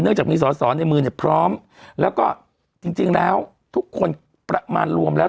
จากมีสอสอในมือเนี่ยพร้อมแล้วก็จริงแล้วทุกคนประมาณรวมแล้ว